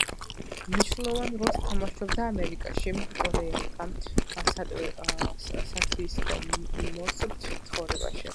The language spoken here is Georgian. მნიშვნელოვან როლს თამაშობდა ამერიკაში კორეელთა სათვისტომოს ცხოვრებაში.